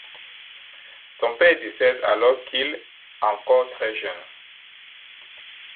Son père décède alors qu'il encore très jeune.